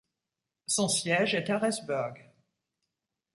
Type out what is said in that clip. Son siège est Harrisburg.